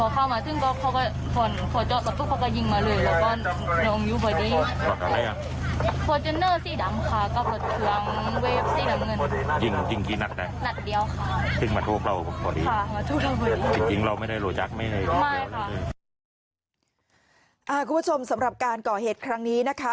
คุณผู้ชมสำหรับการก่อเหตุครั้งนี้นะคะ